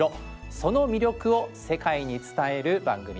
その魅力を世界に伝える番組です。